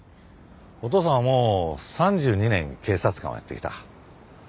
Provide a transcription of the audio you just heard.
お父さんはもう３２年警察官をやってきた。